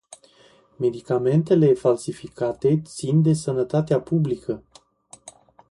Medicamentele falsificate țin de sănătatea publică.